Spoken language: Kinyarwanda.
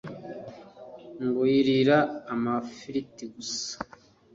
ngo yirira amafiriti gusa